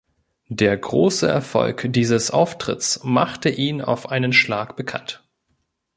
Der große Erfolg dieses Auftritts machte ihn auf einen Schlag bekannt.